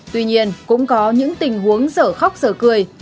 tuy nhiên cũng có những tình huống sở khóc giờ cười